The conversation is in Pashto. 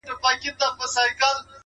• د مرمۍ په څېر له پاسه راغوټه سو -